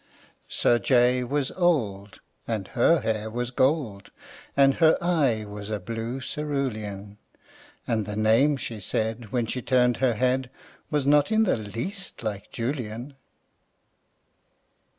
Sir J. was old, and her hair was gold, And her eye was a blue cerulean; And the name she said when she turned her head Was not in the least like "Julian."